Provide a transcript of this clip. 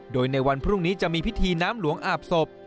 โดยในวันพรุ่งนี้จะมีพิธีน้ำหลวงอาบศพ